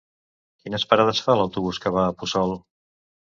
Quines parades fa l'autobús que va a Puçol?